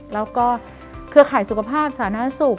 แล้วก็เครือข่ายสุขภาพสาธารณสุข